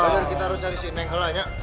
brother kita harus cari si neng hela nya